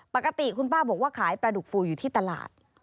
ปกติคุณป้าบอกว่าขายปลาดุกฟูอยู่ที่ตลาด